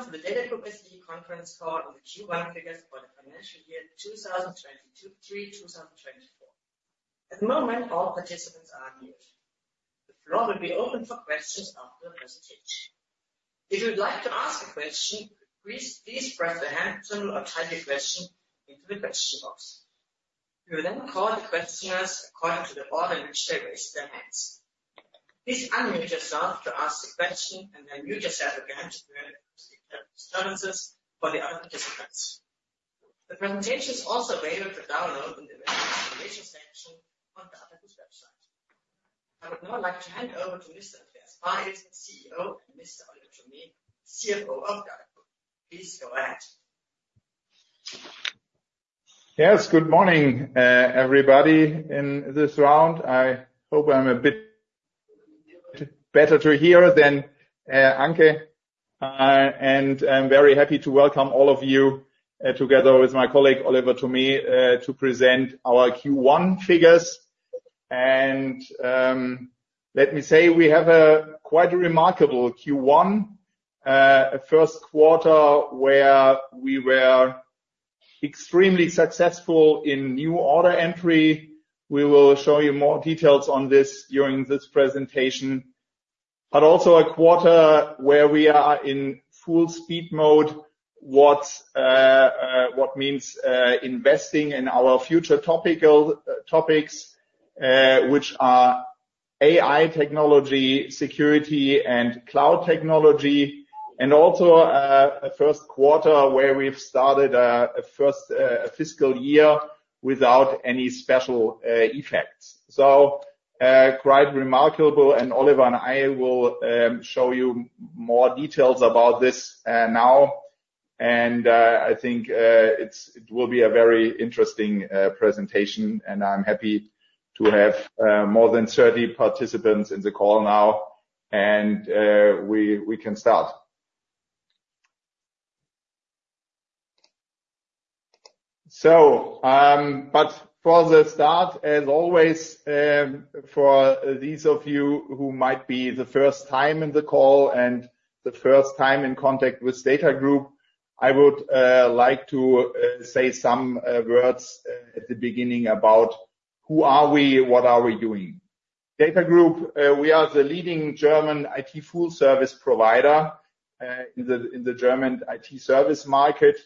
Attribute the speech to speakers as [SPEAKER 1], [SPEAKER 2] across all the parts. [SPEAKER 1] Of the DATAGROUP SE conference call on the Q1 figures for the financial year 2023-2024. At the moment, all participants are muted. The floor will be open for questions after the presentation. If you would like to ask a question, please press the hand symbol or type your question into the question box. We will then call the questioners according to the order in which they raised their hands. Please unmute yourself to ask the question and then mute yourself again to prevent acoustic disturbances for the other participants. The presentation is also available to download in the information section on DATAGROUP's website. I would now like to hand over to Mr. Andreas Baresel, CEO, and Mr. Oliver Thome, CFO of DATAGROUP. Please go ahead.
[SPEAKER 2] Yes, good morning, everybody in this round. I hope I'm a bit better to hear than Anke, and I'm very happy to welcome all of you, together with my colleague Oliver Thome, to present our Q1 figures. Let me say we have a quite remarkable Q1, a first quarter where we were extremely successful in new order entry. We will show you more details on this during this presentation. Also a quarter where we are in full speed mode, which means investing in our future topical topics, which are AI technology, security, and cloud technology. A first quarter where we've started a first fiscal year without any special effects. Quite remarkable, and Oliver and I will show you more details about this now. And, I think, it will be a very interesting presentation, and I'm happy to have more than 30 participants in the call now. We can start. So, but for the start, as always, for those of you who might be the first time in the call and the first time in contact with DATAGROUP, I would like to say some words at the beginning about who we are, what we are doing. DATAGROUP, we are the leading German IT full-service provider in the German IT service market.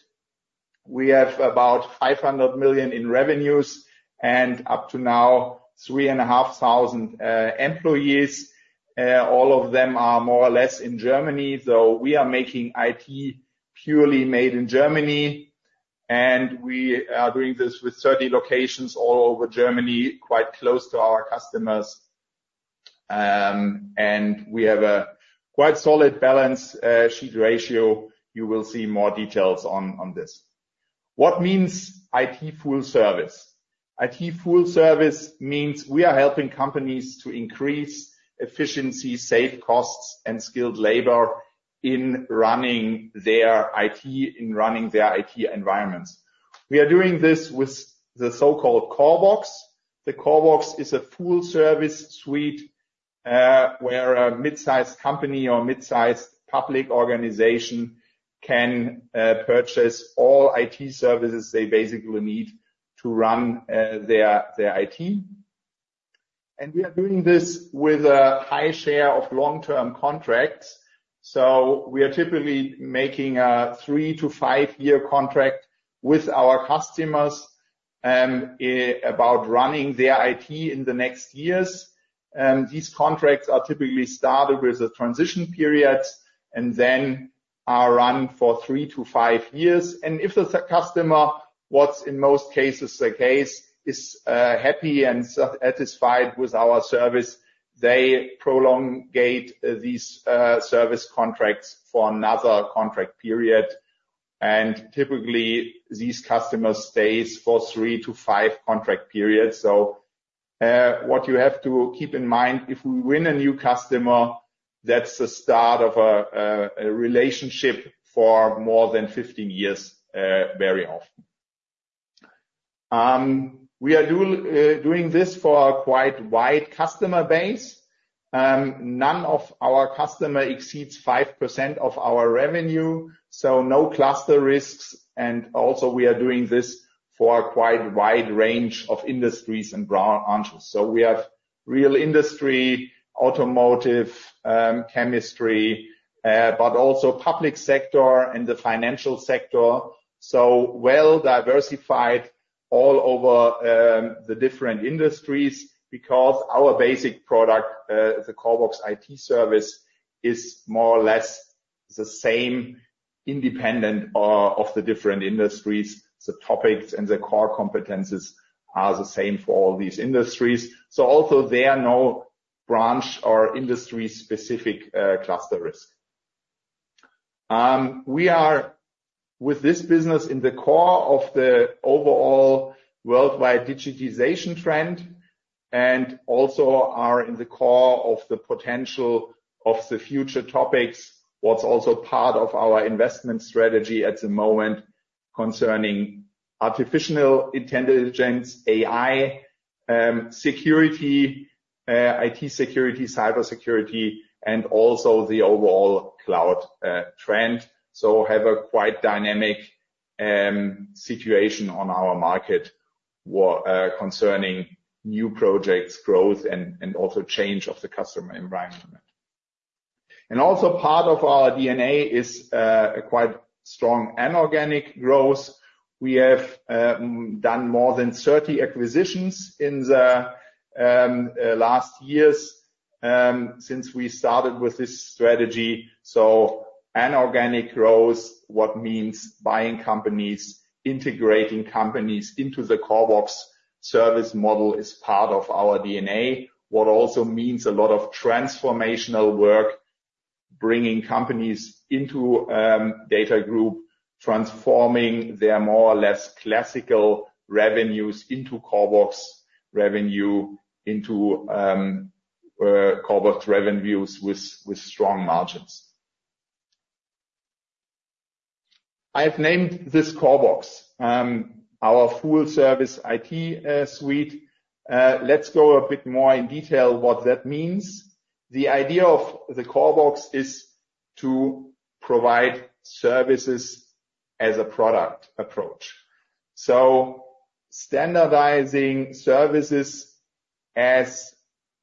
[SPEAKER 2] We have about 500 million in revenues and up to now 3,500 employees. All of them are more or less in Germany, though we are making IT purely made in Germany. And we are doing this with 30 locations all over Germany, quite close to our customers. And we have a quite solid balance sheet ratio. You will see more details on this. What means IT full-service? IT full-service means we are helping companies to increase efficiency, save costs, and skilled labor in running their IT environments. We are doing this with the so-called CORBOX. The CORBOX is a full-service suite, where a midsized company or midsized public organization can purchase all IT services they basically need to run their IT. And we are doing this with a high share of long-term contracts. So we are typically making a three to five-year contract with our customers about running their IT in the next years. These contracts are typically started with a transition period and then are run forthree to five years. And if the customer, what's in most cases the case, is happy and satisfied with our service, they prolongate these service contracts for another contract period. Typically, these customers stay for three to five contract periods. So, what you have to keep in mind, if we win a new customer, that's the start of a relationship for more than 15 years, very often. We are doing this for a quite wide customer base. None of our customer exceeds 5% of our revenue, so no cluster risks. Also, we are doing this for a quite wide range of industries and branches. So we have real industry, automotive, chemistry, but also public sector and the financial sector. So well diversified all over the different industries because our basic product, the CORBOX IT service, is more or less the same independent of the different industries. The topics and the core competences are the same for all these industries. So also, there are no branch or industry-specific cluster risks. We are with this business in the core of the overall worldwide digitization trend and also are in the core of the potential of the future topics, what's also part of our investment strategy at the moment concerning artificial intelligence, AI, security, IT security, cybersecurity, and also the overall cloud trend. So have a quite dynamic situation on our market what concerning new projects, growth, and also change of the customer environment. Part of our DNA is a quite strong inorganic growth. We have done more than 30 acquisitions in the last years, since we started with this strategy. So inorganic growth, what means buying companies, integrating companies into the CORBOX service model, is part of our DNA, what also means a lot of transformational work, bringing companies into DATAGROUP, transforming their more or less classical revenues into CORBOX revenue, into CORBOX revenues with strong margins. I have named this CORBOX our full-service IT suite. Let's go a bit more in detail what that means. The idea of the CORBOX is to provide services as a product approach. So standardizing services as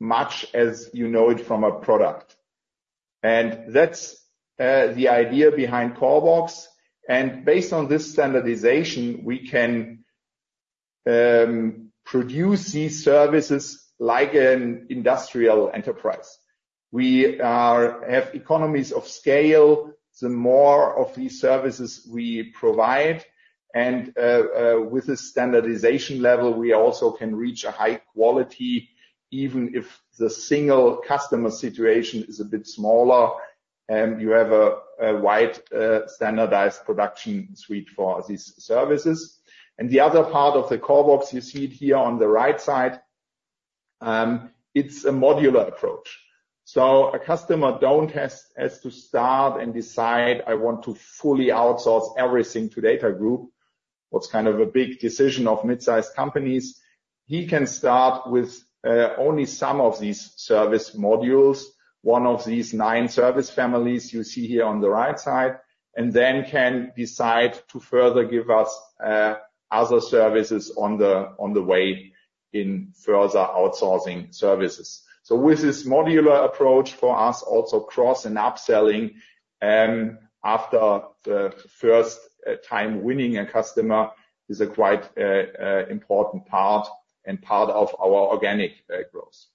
[SPEAKER 2] much as you know it from a product. And that's the idea behind CORBOX. And based on this standardization, we can produce these services like an industrial enterprise. We have economies of scale the more of these services we provide. With this standardization level, we also can reach a high quality even if the single customer situation is a bit smaller, and you have a wide, standardized production suite for these services. The other part of the CORBOX, you see it here on the right side, it's a modular approach. A customer don't has to start and decide, "I want to fully outsource everything to DATAGROUP." What's kind of a big decision of midsized companies. He can start with only some of these service modules, one of these nine service families you see here on the right side, and then can decide to further give us other services on the way in further outsourcing services. So with this modular approach for us, also cross and upselling, after the first time winning a customer is a quite important part of our organic growth.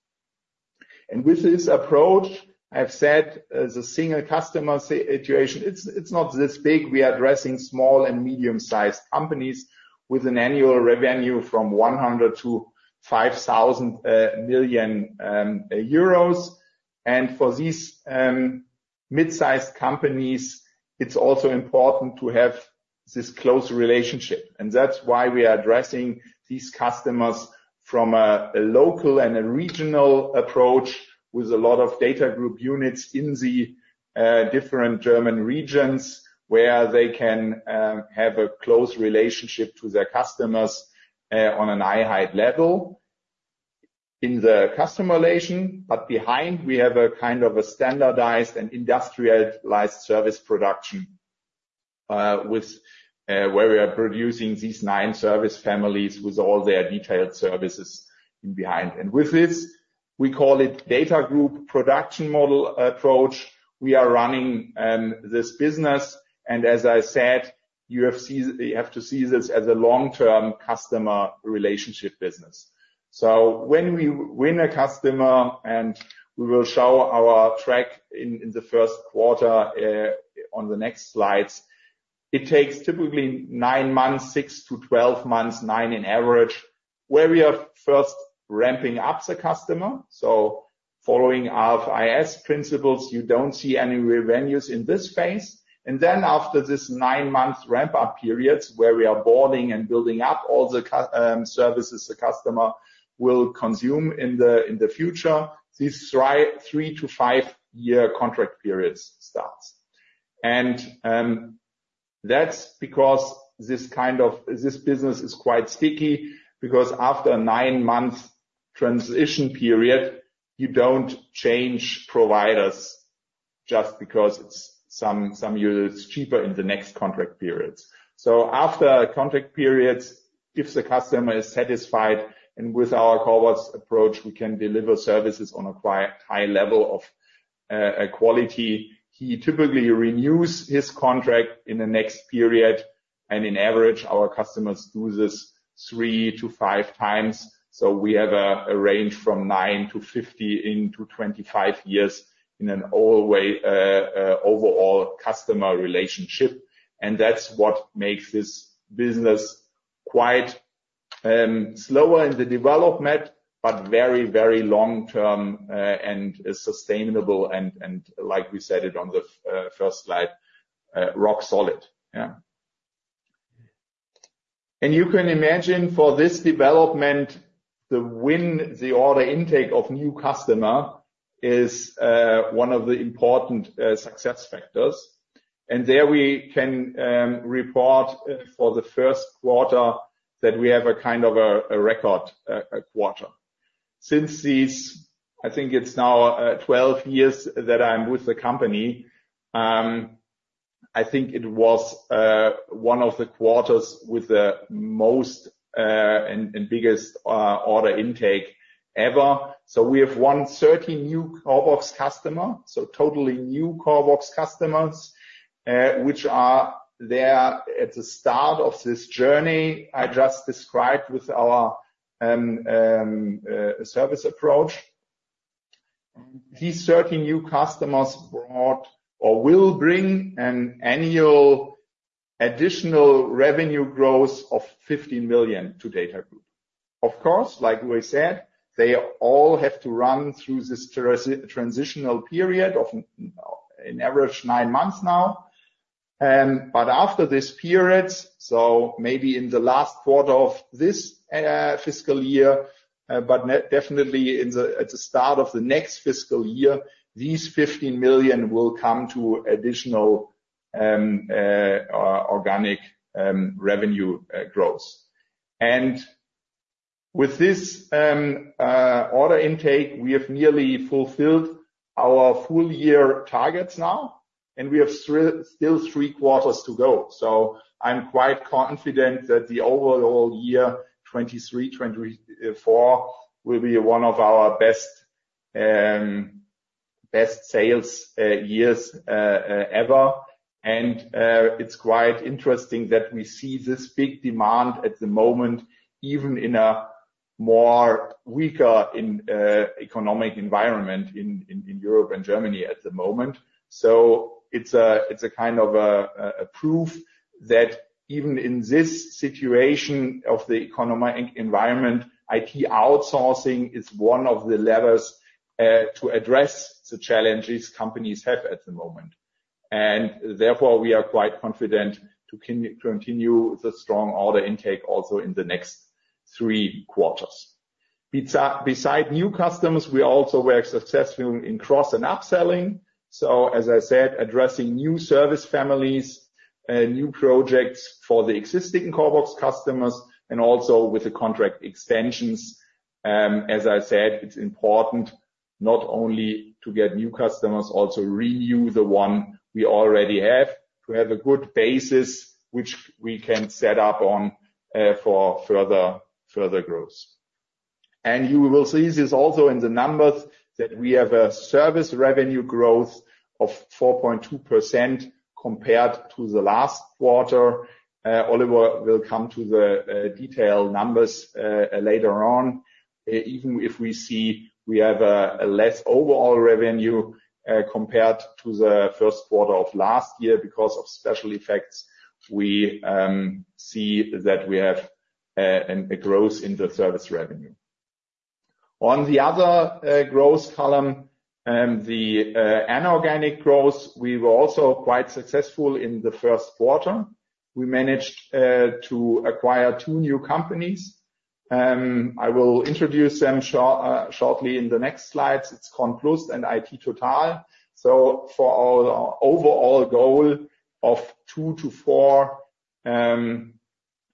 [SPEAKER 2] And with this approach, I have said, the single customer size situation, it's not this big. We are addressing small and medium-sized companies with an annual revenue from 100 million-5,000 million euros. And for these midsized companies, it's also important to have this close relationship. And that's why we are addressing these customers from a local and a regional approach with a lot of DATAGROUP units in the different German regions where they can have a close relationship to their customers, on an eye level in the customer relation. But behind, we have a kind of a standardized and industrialized service production, with where we are producing these nine service families with all their detailed services in behind. With this, we call it DATAGROUP production model approach. We are running this business. As I said, you have to see this as a long-term customer relationship business. So when we win a customer and we will show our track record in the first quarter, on the next slides, it takes typically nine months, six to 12 months, nine on average, where we are first ramping up the customer. So following IFRS principles, you don't see any revenues in this phase. And then after this nine-month ramp-up period where we are onboarding and building up all the IT services the customer will consume in the future, these typical three to five-year contract periods start. That's because this kind of this business is quite sticky because after a nine-month transition period, you don't change providers just because it's some year it's cheaper in the next contract periods. So after contract periods, if the customer is satisfied and with our CORBOX approach, we can deliver services on a quite high level of quality. He typically renews his contract in the next period. In average, our customers do this three to five times. So we have a range from nine to 50 into 25 years in an all-way overall customer relationship. And that's what makes this business quite slower in the development but very, very long-term, and sustainable and like we said it on the first slide, rock solid. Yeah. You can imagine for this development, winning the order intake of new customers is one of the important success factors. There we can report for the first quarter that we have a kind of a record quarter. Since this I think it's now 12 years that I'm with the company, I think it was one of the quarters with the most and biggest order intake ever. So we have won 30 new CORBOX customers, so totally new CORBOX customers, which are there at the start of this journey I just described with our service approach. And these 30 new customers brought or will bring an annual additional revenue growth of 15 million to DATAGROUP. Of course, like we said, they all have to run through this typical transitional period of on average nine months now. but after this period, so maybe in the last quarter of this fiscal year, but not definitely in the at the start of the next fiscal year, these 15 million will come to additional, organic, revenue growth. And with this, order intake, we have nearly fulfilled our full-year targets now. And we have still three quarters to go. So I'm quite confident that the overall year 2023, 2024 will be one of our best, best sales, years, ever. And, it's quite interesting that we see this big demand at the moment even in a weaker economic environment in Europe and Germany at the moment. So it's a kind of a proof that even in this situation of the economic environment, IT outsourcing is one of the levers, to address the challenges companies have at the moment. And therefore, we are quite confident to continue the strong order intake also in the next three quarters. Besides new customers, we also were successful in cross and upselling. So as I said, addressing new service families, new projects for the existing CORBOX customers, and also with the contract extensions. As I said, it's important not only to get new customers, also renew the one we already have to have a good basis, which we can set up on, for further, further growth. And you will see this also in the numbers that we have a service revenue growth of 4.2% compared to the last quarter. Oliver will come to the detailed numbers later on, even if we see we have a less overall revenue compared to the first quarter of last year because of special effects. We see that we have a growth in the service revenue. On the other growth column, the inorganic growth, we were also quite successful in the first quarter. We managed to acquire two new companies. I will introduce them shortly in the next slides. It's CONPLUS and iT Total. So for our overall goal of two to four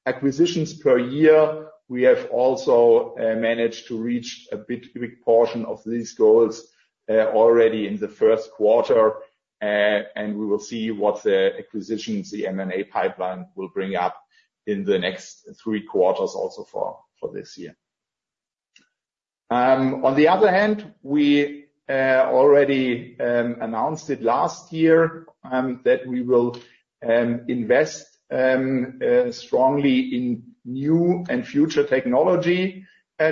[SPEAKER 2] acquisitions per year, we have also managed to reach a bit big portion of these goals, already in the first quarter. We will see what the acquisitions the M&A pipeline will bring up in the next three quarters also for this year. On the other hand, we already announced it last year that we will invest strongly in new and future technology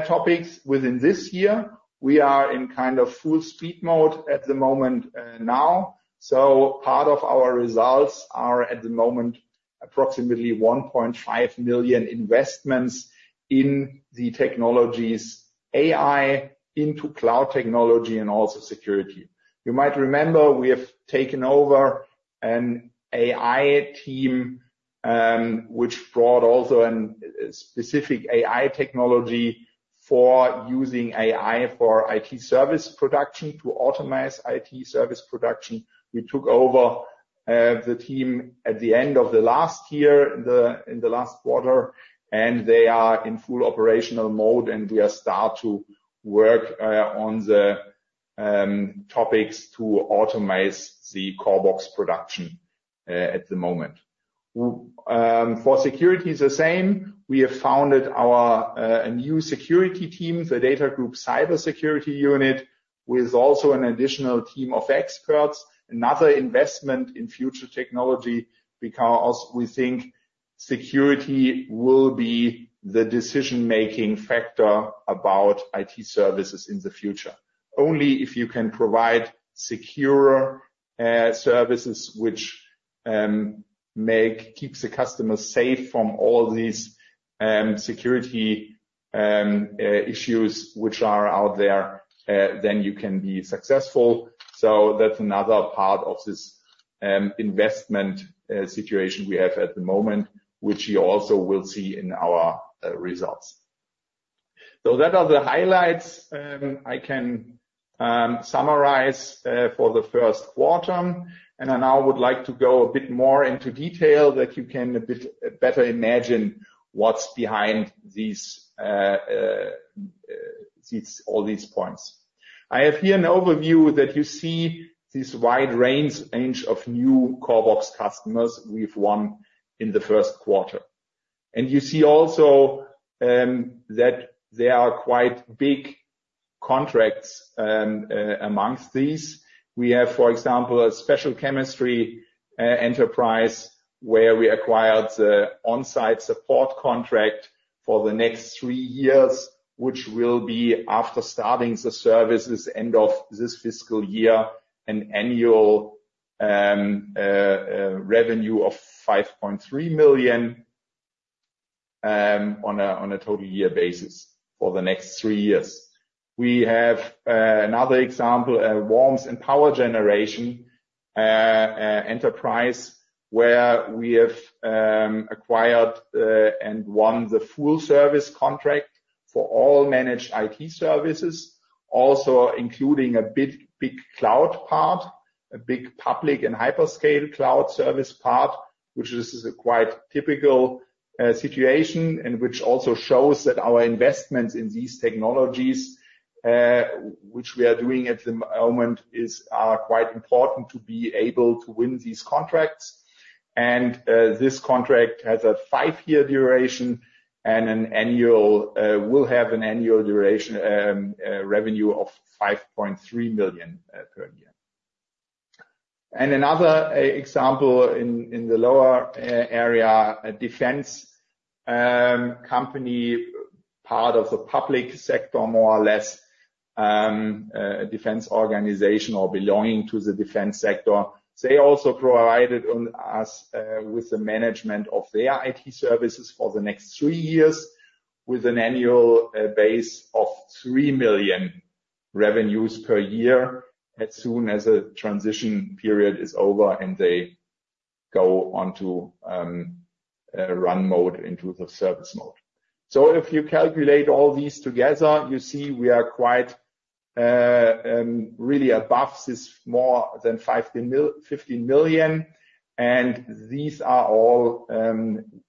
[SPEAKER 2] topics within this year. We are in kind of full speed mode at the moment, now. So part of our results are at the moment approximately 1.5 million investments in the technologies AI into cloud technology and also security. You might remember we have taken over an AI team, which brought also a specific AI technology for using AI for IT service production to automate IT service production. We took over the team at the end of the last year in the last quarter. They are in full operational mode. We are starting to work on the topics to automate the CORBOX production at the moment. Now for security is the same. We have founded a new security team, the DATAGROUP cybersecurity unit with also an additional team of experts. Another investment in future technology because we think security will be the decision-making factor about IT services in the future. Only if you can provide secure services, which make keeps the customer safe from all these security issues which are out there, then you can be successful. So that's another part of this investment situation we have at the moment, which you also will see in our results. So that are the highlights. I can summarize for the first quarter. And I now would like to go a bit more into detail that you can a bit better imagine what's behind these points. I have here an overview that you see this wide range of new CORBOX customers we've won in the first quarter. And you see also that there are quite big contracts amongst these. We have, for example, a special chemistry enterprise where we acquired the on-site support contract for the next three years, which will be after starting the services end of this fiscal year, an annual revenue of 5.3 million on a total year basis for the next three years. We have another example, warmth and power generation enterprise where we have acquired and won the full service contract for all managed IT services, also including a bit big cloud part, a big public and hyperscale cloud service part, which is a quite typical situation and which also shows that our investments in these technologies, which we are doing at the moment, are quite important to be able to win these contracts. And this contract has a five-year duration and will have an annual revenue of 5.3 million per year. Another example in the lower area, defense company, part of the public sector more or less, defense organization or belonging to the defense sector. They also provided us with the management of their IT services for the next three years with an annual base of 3 million in revenues per year as soon as the transition period is over and they go on to run mode in the service mode. So if you calculate all these together, you see we are really above this more than EUR 50 million 15 million. And these are all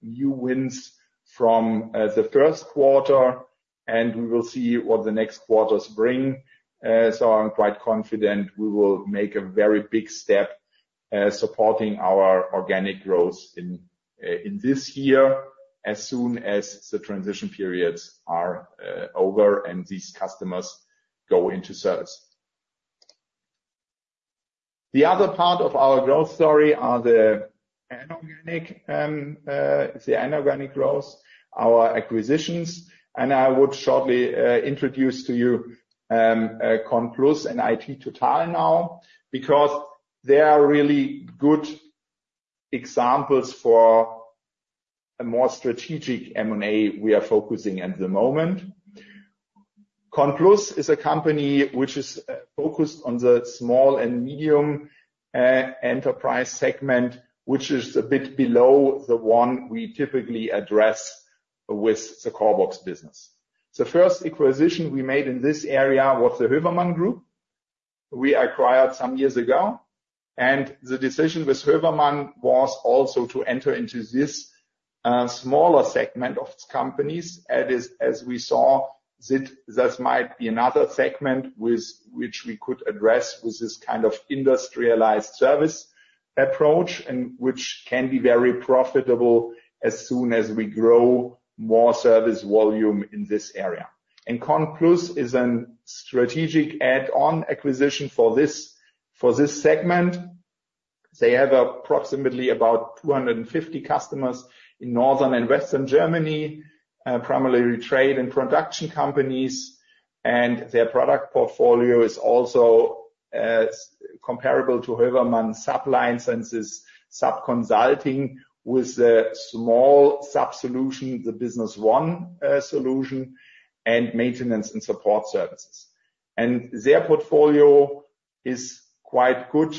[SPEAKER 2] new wins from the first quarter. And we will see what the next quarters bring. So I'm quite confident we will make a very big step supporting our organic growth in this year as soon as the transition periods are over and these customers go into service. The other part of our growth story is the inorganic, the inorganic growth, our acquisitions. I would shortly introduce to you, CONPLUS and iT Total now because they are really good examples for a more strategic M&A we are focusing at the moment. CONPLUS is a company which is focused on the small and medium enterprise segment, which is a bit below the one we typically address with the CORBOX business. The first acquisition we made in this area was the Hövermann Group. We acquired it some years ago. The decision with Hövermann was also to enter into this smaller segment of companies. That is, as we saw, that might be another segment with which we could address with this kind of industrialized service approach and which can be very profitable as soon as we grow more service volume in this area. CONPLUS is a strategic add-on acquisition for this segment. They have approximately 250 customers in northern and western Germany, primarily trade and production companies. Their product portfolio is also comparable to Hövermann SAP and Licenses Consulting with the small SAP solution, the Business One solution and maintenance and support services. Their portfolio is quite good,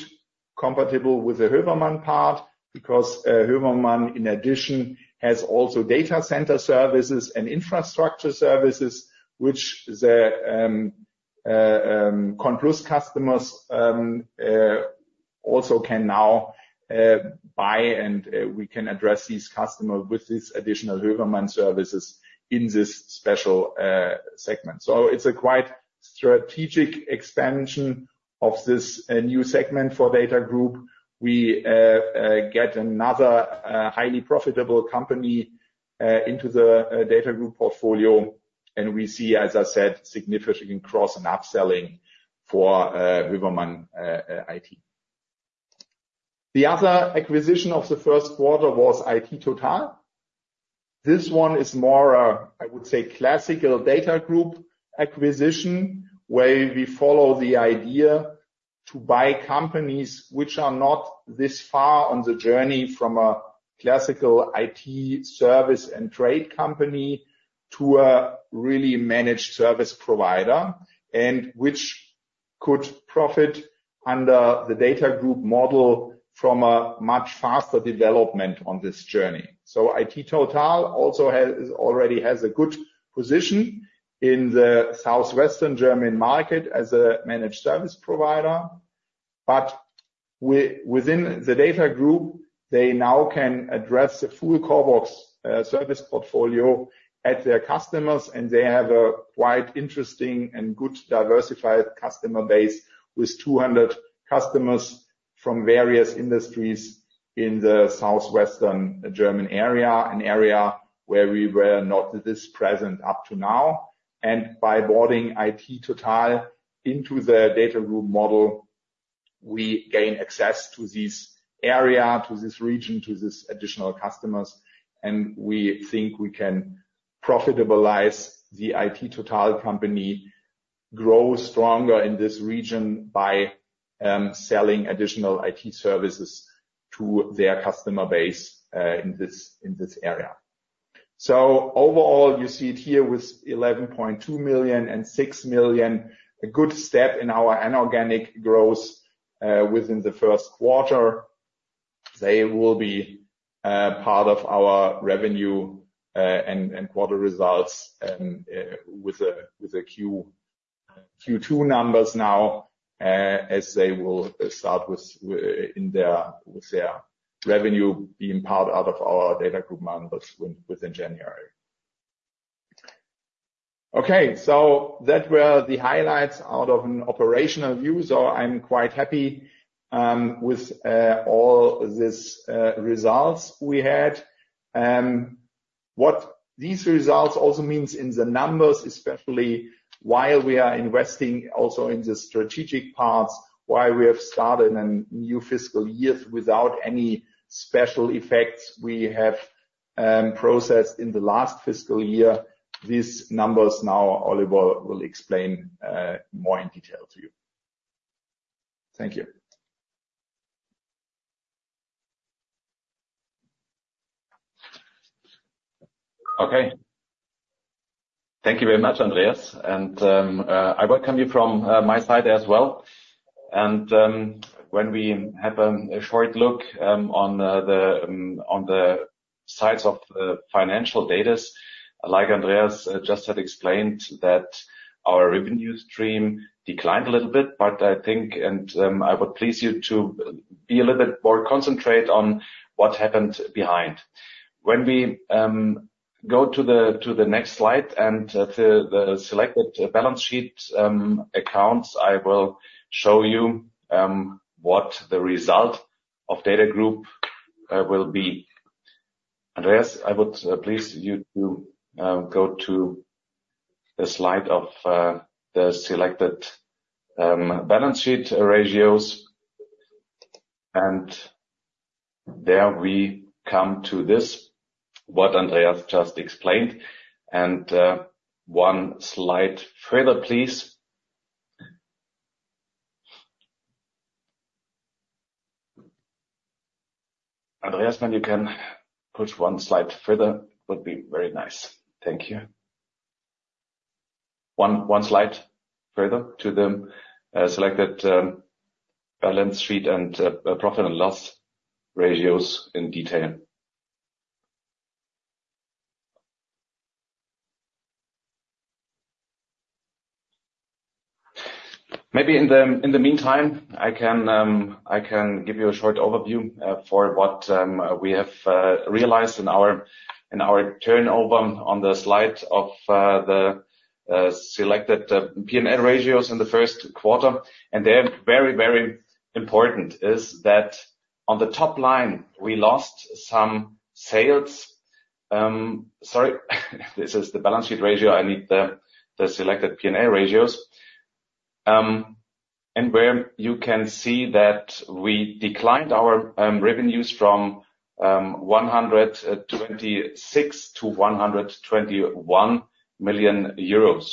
[SPEAKER 2] compatible with the Hövermann part because Hövermann in addition has also data center services and infrastructure services, which the CONPLUS customers also can now buy and we can address these customers with these additional Hövermann services in this special segment. So it's a quite strategic expansion of this new segment for DATAGROUP. We get another highly profitable company into the DATAGROUP portfolio. We see, as I said, significant cross- and upselling for Hövermann IT. The other acquisition of the first quarter was iT TOTAL. This one is more, I would say, classical DATAGROUP acquisition where we follow the idea to buy companies which are not this far on the journey from a classical IT service and trade company to a really managed service provider and which could profit under the DATAGROUP model from a much faster development on this journey. So iT Total also already has a good position in the southwestern German market as a managed service provider. But within the DATAGROUP, they now can address the full CORBOX service portfolio at their customers. And they have a quite interesting and good diversified customer base with 200 customers from various industries in the southwestern German area, an area where we were not this present up to now. And by onboarding iT Total into the DATAGROUP model, we gain access to this area, to this region, to these additional customers. We think we can profitabilize the iT TOTAL company, grow stronger in this region by selling additional IT services to their customer base, in this area. So overall, you see it here with 11.2 million and 6 million, a good step in our inorganic growth, within the first quarter. They will be part of our revenue and Q2 results, with Q2 numbers now, as they will start with their revenue being part of our DATAGROUP numbers within January. Okay, so that were the highlights out of an operational view. So I'm quite happy with all this results we had. What these results also means in the numbers, especially while we are investing also in the strategic parts, why we have started in a new fiscal year without any special effects we have processed in the last fiscal year. These numbers now Oliver will explain more in detail to you. Thank you.
[SPEAKER 3] Okay. Thank you very much, Andreas. I welcome you from my side as well. When we have a short look on the sides of the financial data, like Andreas just had explained that our revenue stream declined a little bit. But I think, I would please you to be a little bit more concentrated on what happened behind. When we go to the next slide and to the selected balance sheet accounts, I will show you what the result of DATAGROUP will be. Andreas, I would please you to go to the slide of the selected balance sheet ratios. There we come to this what Andreas just explained. One slide further, please. Andreas, when you can push one slide further would be very nice. Thank you. One slide further to the selected balance sheet and profit and loss ratios in detail. Maybe in the meantime, I can give you a short overview for what we have realized in our turnover on the slide of the selected P&L ratios in the first quarter. And they're very important is that on the top line, we lost some sales. Sorry. This is the balance sheet ratio. I need the selected P&L ratios. And where you can see that we declined our revenues from 126 million-121 million euros.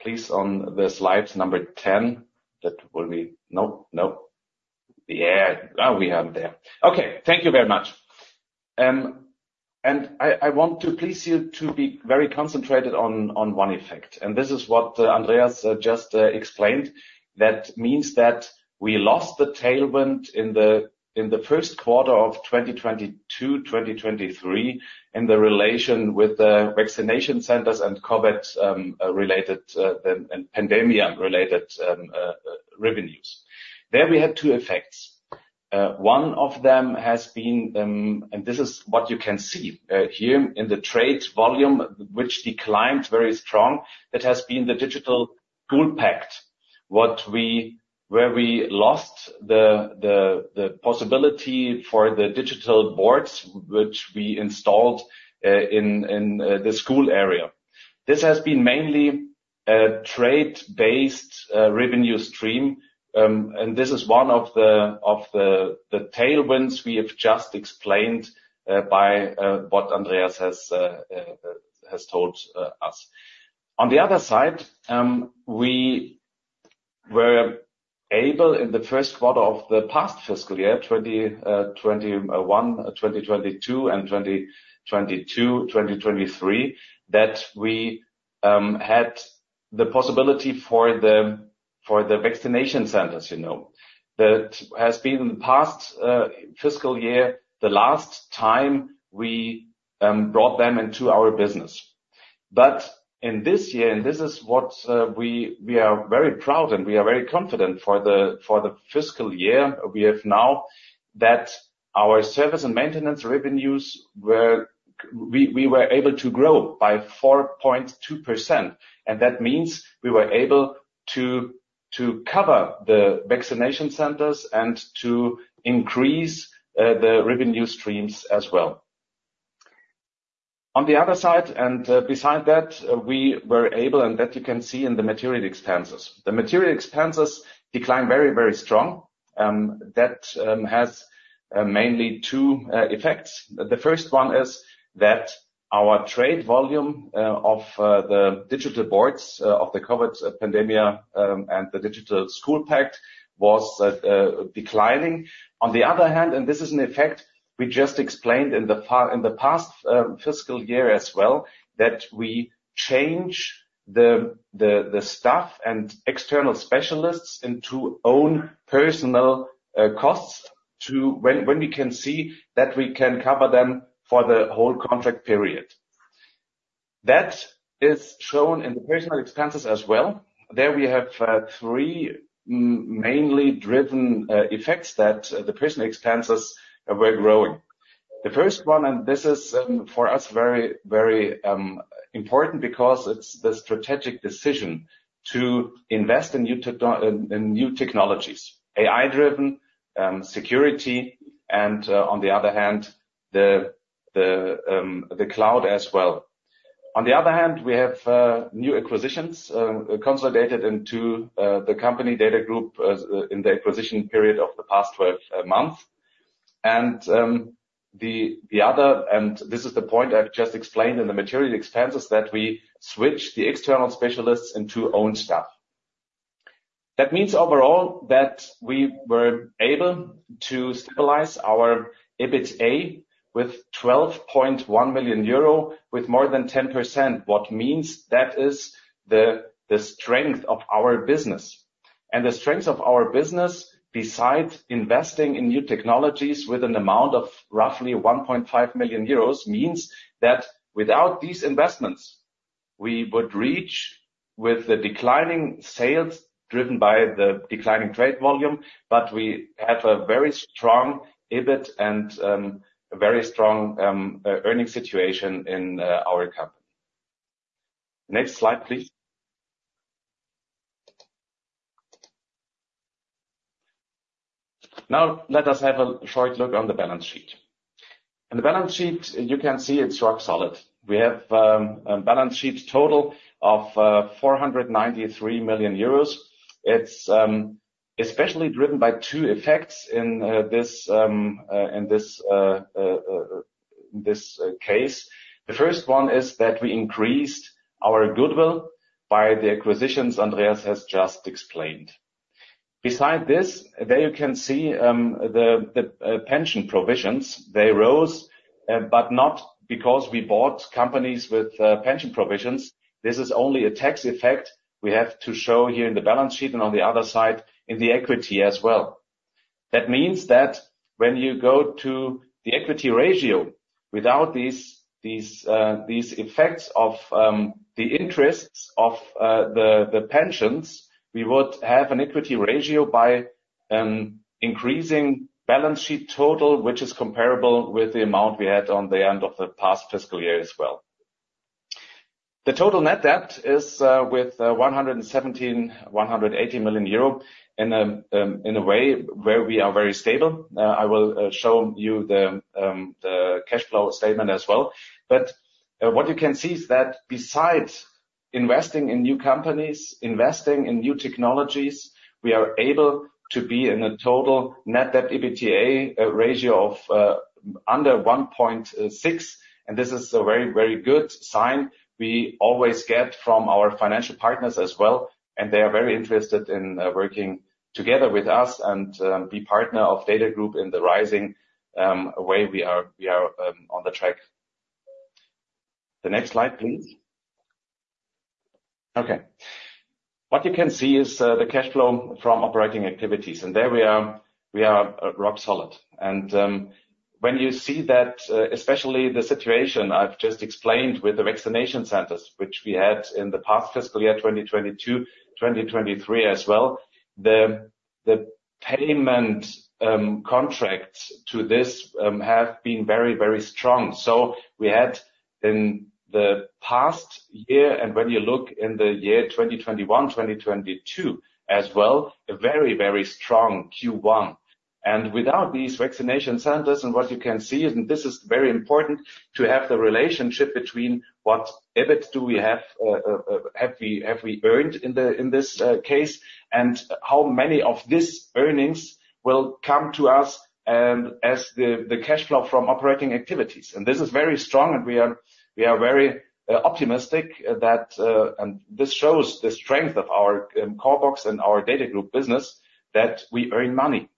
[SPEAKER 3] Please [turn to] the slide number 10. Thank you very much. I want to please you to be very concentrated on one effect. And this is what Andreas just explained. That means that we lost the tailwind in the first quarter of 2022, 2023 in the relation with the vaccination centers and COVID-related and pandemic-related revenues. There we had two effects. One of them has been, and this is what you can see here in the trade volume, which declined very strong. That has been the Digital School Pact, where we lost the possibility for the digital boards, which we installed in the school area. This has been mainly trade-based revenue stream. And this is one of the tailwinds we have just explained by what Andreas has told us. On the other side, we were able in the first quarter of the past fiscal year, 2021/2022 and 2022/2023, that we had the possibility for the vaccination centers, you know, that has been in the past fiscal year, the last time we brought them into our business. But in this year, and this is what we are very proud and we are very confident for the fiscal year we have now that our service and maintenance revenues were able to grow by 4.2%. And that means we were able to cover the vaccination centers and to increase the revenue streams as well. On the other side, beside that, we were able, and that you can see in the material expenses. The material expenses decline very, very strong. That has mainly two effects. The first one is that our trade volume of the digital boards of the COVID pandemic and the digital school pact was declining. On the other hand, and this is an effect we just explained in the far in the past fiscal year as well, that we change the staff and external specialists into own personnel costs to when we can see that we can cover them for the whole contract period. That is shown in the personnel expenses as well. There we have three mainly driven effects that the personnel expenses were growing. The first one, and this is for us very, very important because it's the strategic decision to invest in new to and new technologies, AI-driven security. And on the other hand, the cloud as well. On the other hand, we have new acquisitions consolidated into the company DATAGROUP in the acquisition period of the past 12 months. And the other and this is the point I've just explained in the material expenses that we switched the external specialists into own staff. That means overall that we were able to stabilize our EBITDA with 12.1 million euro with more than 10%, what means that is the strength of our business. The strength of our business beside investing in new technologies with an amount of roughly 1.5 million euros means that without these investments, we would reach with the declining sales driven by the declining trade volume, but we have a very strong EBIT and a very strong earning situation in our company. Next slide, please. Now let us have a short look on the balance sheet. In the balance sheet, you can see it's rock solid. We have a balance sheet total of 493 million euros. It's especially driven by two effects in this case. The first one is that we increased our goodwill by the acquisitions Andreas has just explained. Beside this, there you can see the pension provisions. They rose, but not because we bought companies with pension provisions. This is only a tax effect we have to show here in the balance sheet and on the other side in the equity as well. That means that when you go to the equity ratio without these effects of the interests of the pensions, we would have an equity ratio by increasing balance sheet total, which is comparable with the amount we had on the end of the past fiscal year as well. The total net debt is with 117.180 million euro in a way where we are very stable. I will show you the cash flow statement as well. But what you can see is that beside investing in new companies, investing in new technologies, we are able to be in a total net debt/EBITDA ratio of under 1.6. This is a very, very good sign we always get from our financial partners as well. They are very interested in working together with us and be partner of DATAGROUP in the rising way we are on the track. The next slide, please. Okay. What you can see is the cash flow from operating activities. There we are. We are rock solid. When you see that, especially the situation I've just explained with the vaccination centers, which we had in the past fiscal year, 2022, 2023 as well, the payment contracts to this have been very, very strong. We had in the past year and when you look in the year 2021, 2022 as well, a very, very strong Q1. And without these vaccination centers and what you can see is and this is very important to have the relationship between what EBIT do we have, have we earned in this case and how many of these earnings will come to us, as the cash flow from operating activities. And this is very strong and we are very optimistic that, and this shows the strength of our CORBOX and our DATAGROUP business that we earn money.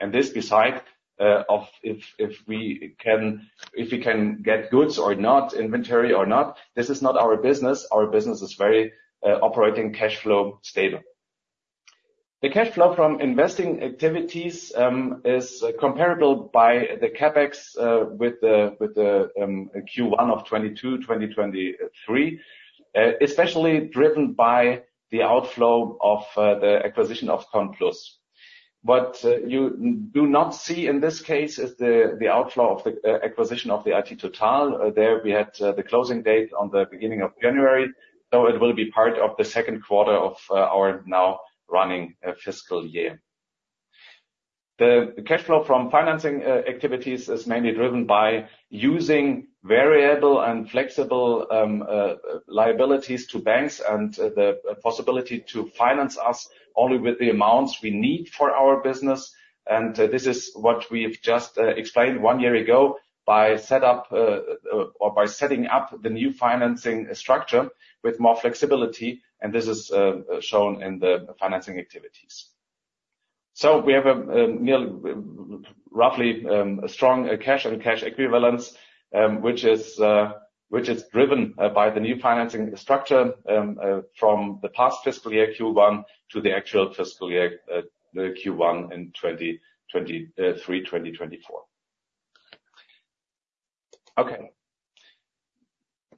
[SPEAKER 3] And this besides if we can get goods or not, inventory or not, this is not our business. Our business is very operating cash flow stable. The cash flow from investing activities is comparable by the CapEx with the Q1 of 2022, 2023, especially driven by the outflow of the acquisition of CONPLUS. What you do not see in this case is the outflow of the acquisition of iT Total. There we had the closing date on the beginning of January. So it will be part of the second quarter of our now running fiscal year. The cash flow from financing activities is mainly driven by using variable and flexible liabilities to banks and the possibility to finance us only with the amounts we need for our business. And this is what we have just explained one year ago by set up, or by setting up the new financing structure with more flexibility. And this is shown in the financing activities. So we have nearly roughly a strong cash and cash equivalents, which is driven by the new financing structure from the past fiscal year Q1 to the actual fiscal year the Q1 in 2023, 2024. Okay.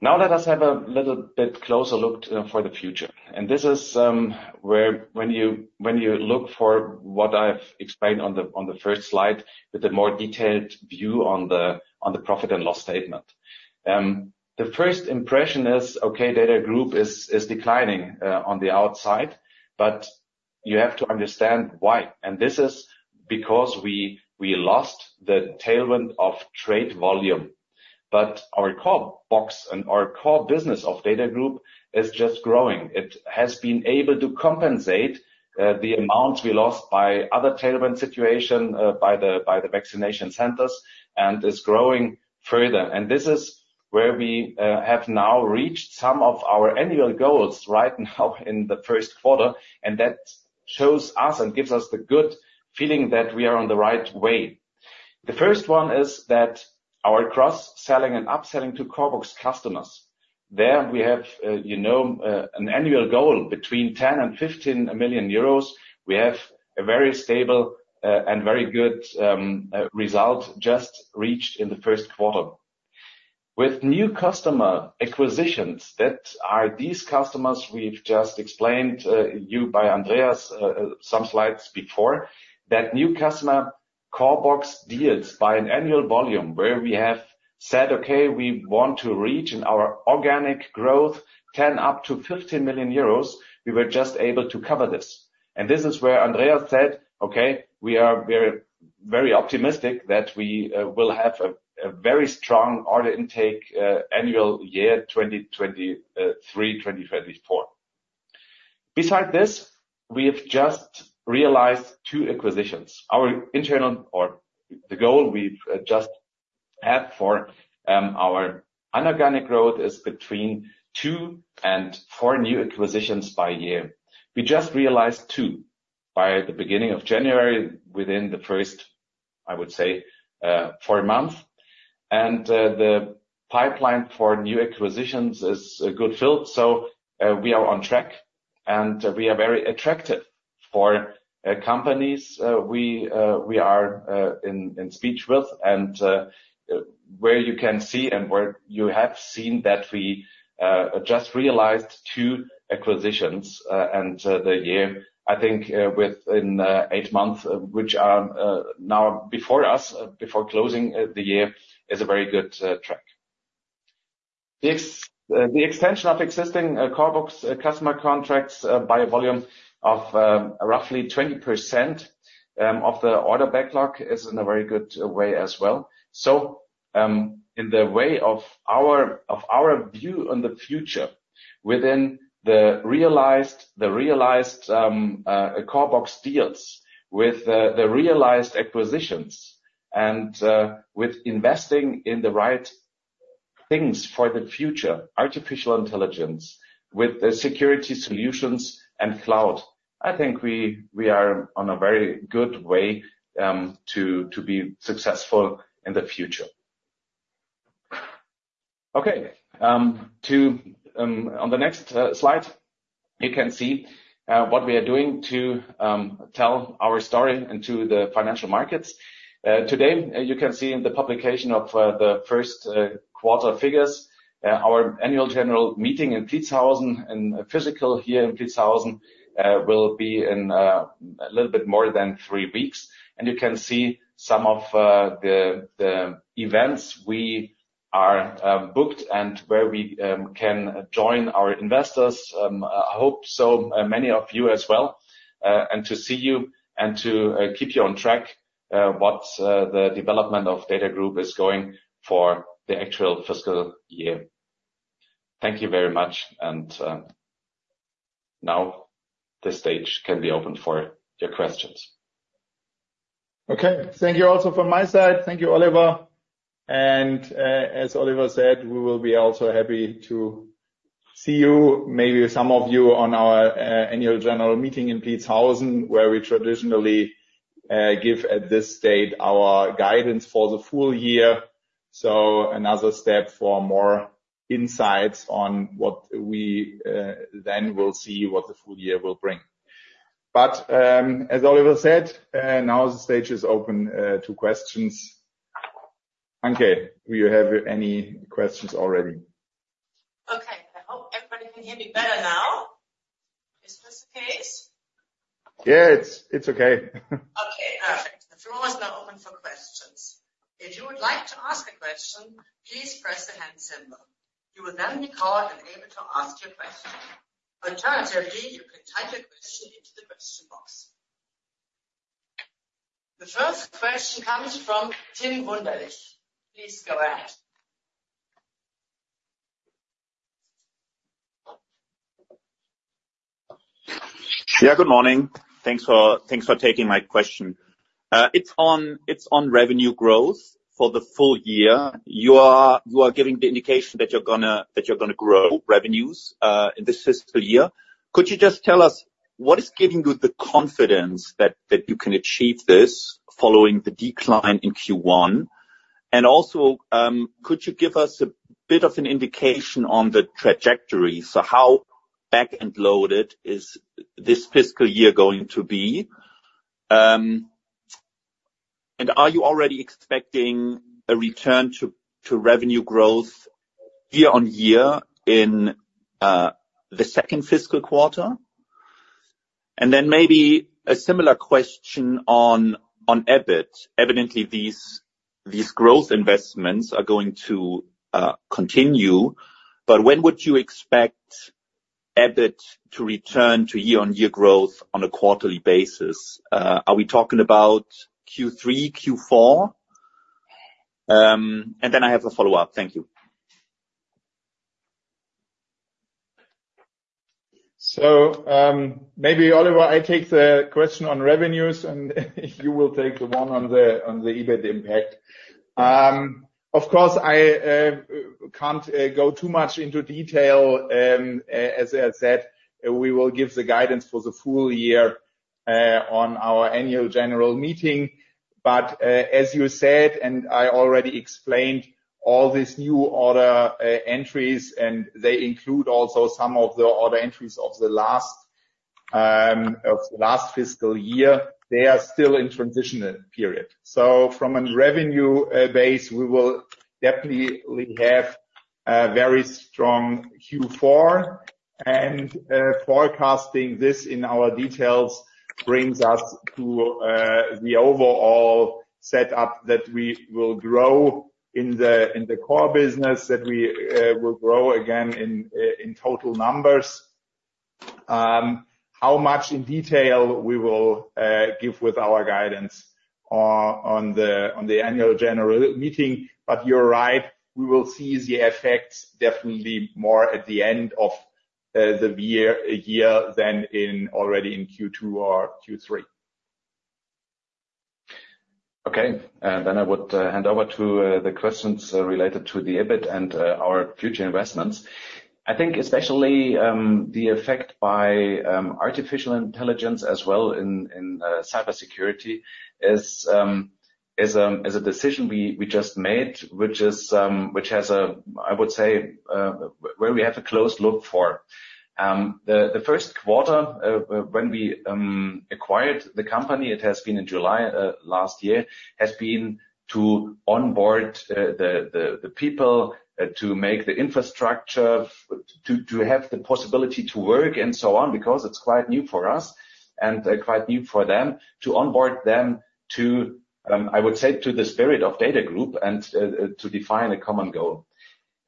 [SPEAKER 3] Now let us have a little bit closer look for the future. And this is where when you look for what I've explained on the first slide with a more detailed view on the profit and loss statement. The first impression is, okay, DATAGROUP is declining on the outside. But you have to understand why. And this is because we lost the tailwind of trade volume. But our CORBOX and our core business of DATAGROUP is just growing. It has been able to compensate the amounts we lost by other tailwind situation by the vaccination centers and is growing further. And this is where we have now reached some of our annual goals right now in the first quarter. And that shows us and gives us the good feeling that we are on the right way. The first one is that our cross-selling and upselling to CORBOX customers, there we have, you know, an annual goal between 10 million and 15 million euros. We have a very stable and very good result just reached in the first quarter. With new customer acquisitions that are these customers we've just explained as by Andreas some slides before, that new customer CORBOX deals by an annual volume where we have said, okay, we want to reach in our organic growth 10 up to 15 million euros. We were just able to cover this. And this is where Andreas said, okay, we are very, very optimistic that we will have a very strong order intake annual year 2023 2024. Besides this, we have just realized two acquisitions. Our internal or the goal we've just had for our inorganic growth is between two and four new acquisitions by year. We just realized two by the beginning of January within the first, I would say, four months. The pipeline for new acquisitions is well filled. So, we are on track and we are very attractive for companies we are in speech with and where you can see and where you have seen that we just realized two acquisitions and the year I think within eight months which are now before us before closing the year is a very good track. The extension of existing CORBOX customer contracts by a volume of roughly 20% of the order backlog is in a very good way as well. So, in the way of our view on the future within the realized CORBOX deals with the realized acquisitions and with investing in the right things for the future, artificial intelligence with the security solutions and cloud, I think we are on a very good way to be successful in the future. Okay. To, on the next slide, you can see what we are doing to tell our story and to the financial markets. Today, you can see in the publication of the first quarter figures, our annual general meeting in Pliezhausen and physical here in Pliezhausen will be in a little bit more than three weeks. You can see some of the events we are booked and where we can join our investors. I hope many of you as well, and to see you and to keep you on track, what the development of DATAGROUP is going for the actual fiscal year. Thank you very much. Now the stage can be open for your questions.
[SPEAKER 2] Okay. Thank you also from my side. Thank you, Oliver. As Oliver said, we will also be happy to see you, maybe some of you on our annual general meeting in Pliezhausen where we traditionally give at this date our guidance for the full year. Another step for more insights on what we then will see what the full year will bring. As Oliver said, now the stage is open to questions. Anke, do you have any questions already?
[SPEAKER 1] Okay. I hope everybody can hear me better now. Is this the case? Yeah, it's okay. Okay. Perfect. The floor is now open for questions. If you would like to ask a question, please press the hand symbol. You will then be called and able to ask your question. Alternatively, you can type your question into the question box. The first question comes from Tim Wunderlich. Please go ahead.
[SPEAKER 4] Yeah, good morning. Thanks for taking my question. It's on revenue growth for the full year. You are giving the indication that you're going to grow revenues in this fiscal year. Could you just tell us what is giving you the confidence that you can achieve this following the decline in Q1? And also, could you give us a bit of an indication on the trajectory? So how back-loaded is this fiscal year going to be? And are you already expecting a return to revenue growth year-on-year in the second fiscal quarter? And then maybe a similar question on EBIT. Evidently, these growth investments are going to continue. But when would you expect EBIT to return to year-on-year growth on a quarterly basis? Are we talking about Q3, Q4? And then I have a follow-up. Thank you.
[SPEAKER 2] So, maybe Oliver, I take the question on revenues and you will take the one on the EBIT impact. Of course, I can't go too much into detail. As I said, we will give the guidance for the full year on our annual general meeting. But, as you said, and I already explained, all these new order entries and they include also some of the order entries of the last fiscal year; they are still in transitional period. So from a revenue base, we will definitely have very strong Q4. And, forecasting this in our details brings us to the overall setup that we will grow in the core business that we will grow again in total numbers. How much in detail we will give with our guidance on the annual general meeting. But you're right. We will see the effects definitely more at the end of the year than already in Q2 or Q3.
[SPEAKER 3] Okay. Then I would hand over to the questions related to the EBIT and our future investments. I think especially the effect by artificial intelligence as well in cybersecurity is a decision we just made, which has a, I would say, close look at. The first quarter, when we acquired the company, it has been in July last year, has been to onboard the people, to make the infrastructure to have the possibility to work and so on because it's quite new for us and quite new for them to onboard them to, I would say to the spirit of DATAGROUP and to define a common goal.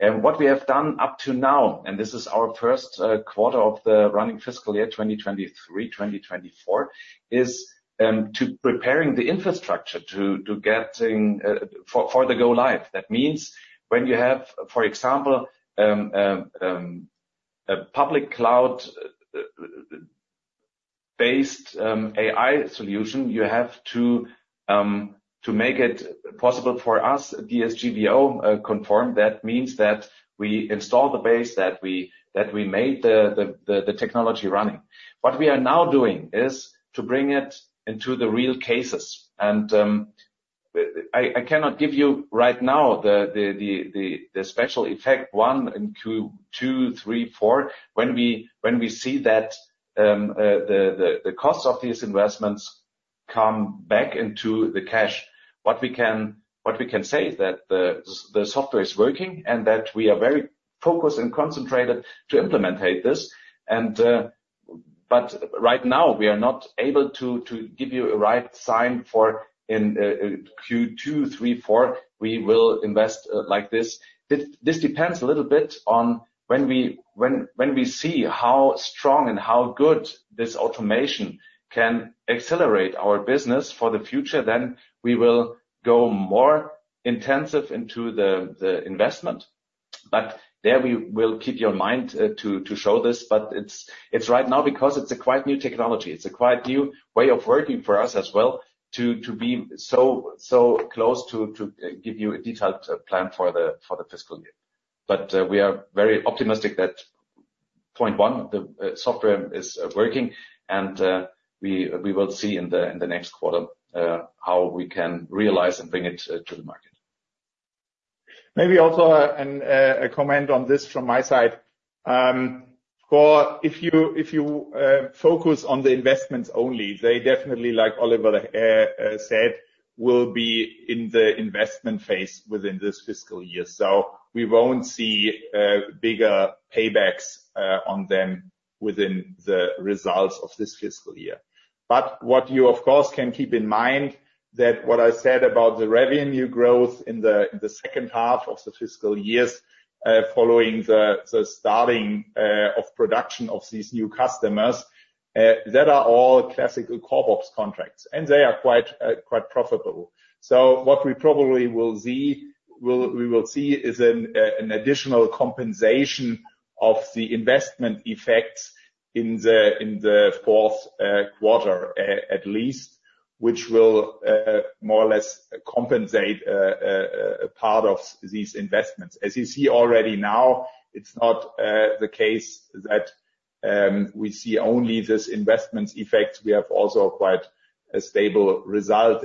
[SPEAKER 3] What we have done up to now, and this is our first quarter of the running fiscal year 2023/2024, is to preparing the infrastructure to getting for the go-live. That means when you have, for example, a public cloud-based, AI solution, you have to make it possible for us, DSGVO conform. That means that we install the base that we made the technology running. What we are now doing is to bring it into the real cases. I cannot give you right now the special effect one in Q2, Q3, Q4 when we see that, the cost of these investments come back into the cash. What we can say is that the software is working and that we are very focused and concentrated to implement this. But right now, we are not able to give you a right sign for Q2, Q3, Q4, we will invest like this. This depends a little bit on when we see how strong and how good this automation can accelerate our business for the future, then we will go more intensive into the investment. But there we will keep your mind, to show this. But it's right now because it's a quite new technology. It's a quite new way of working for us as well to be so close to give you a detailed plan for the fiscal year. But we are very optimistic that point one, the software is working. And we will see in the next quarter, how we can realize and bring it to the market.
[SPEAKER 2] Maybe also a comment on this from my side. If you focus on the investments only, they definitely, like Oliver said, will be in the investment phase within this fiscal year. So we won't see bigger paybacks on them within the results of this fiscal year. But what you, of course, can keep in mind is what I said about the revenue growth in the second half of the fiscal years, following the starting of production of these new customers, that are all classical CORBOX contracts. And they are quite profitable. So what we probably will see is an additional compensation of the investment effects in the fourth quarter, at least, which will more or less compensate part of these investments. As you see already now, it's not the case that we see only this investments effect. We have also quite a stable result